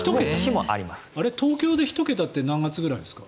東京で１桁って何月ぐらいですか？